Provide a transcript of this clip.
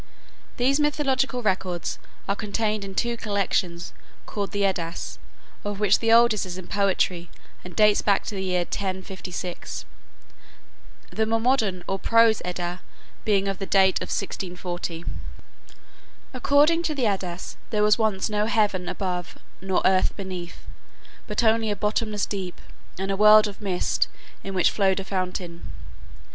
These mythological records are contained in two collections called the Eddas, of which the oldest is in poetry and dates back to the year 1056, the more modern or prose Edda being of the date of 1640. According to the Eddas there was once no heaven above nor earth beneath, but only a bottomless deep, and a world of mist in which flowed a fountain.